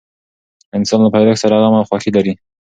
انسان له پیدایښت سره غم او خوښي لري.